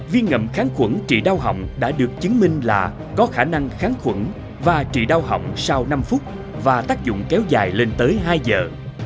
viêm ngầm kháng khuẩn trị đau hỏng đã được chứng minh là có khả năng kháng khuẩn và trị đau hỏng sau năm phút và tác dụng kéo dài lên tới hai giờ